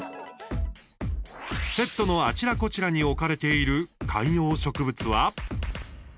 セットのあちらこちらに置かれている観葉植物は。